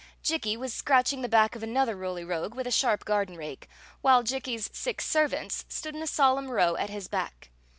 Jikki was scratching the back of another Roly Rogue with a sharp garden rake, while Jikki's six servants stood in a solemn row at his back.